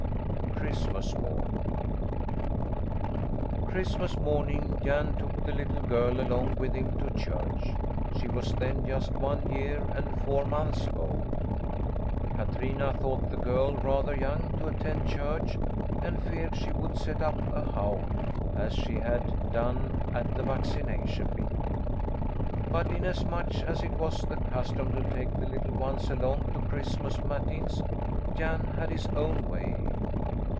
CHRISTMAS MORN Christmas morning Jan took the little girl along with him to church; she was then just one year and four months old. Katrina thought the girl rather young to attend church and feared she would set up a howl, as she had done at the vaccination bee; but inasmuch as it was the custom to take the little ones along to Christmas Matins, Jan had his own way.